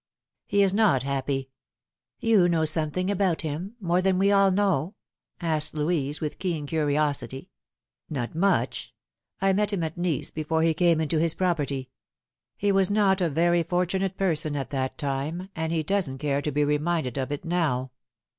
" He is not happy." " You know something about him more than we all know ?" asked Louise, with keen curiosity. " Not much. I met him at Nice before he came into hia property. He was not a very fortunate person at that time, and he doesn't care to be reminded of it now."